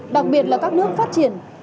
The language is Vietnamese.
đặc biệt là các nước phát triển